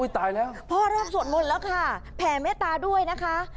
ตายแล้วพ่อเริ่มสวดมนต์แล้วค่ะแผ่เมตตาด้วยนะคะ